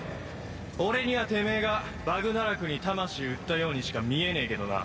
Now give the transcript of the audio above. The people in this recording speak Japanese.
「俺にはてめえがバグナラクに魂売ったようにしか見えねえけどな」